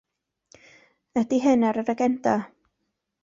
Ydy hyn ar yr agenda?